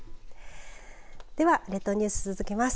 では列島ニュース続けます。